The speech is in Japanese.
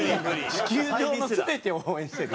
地球上の全てを応援してる？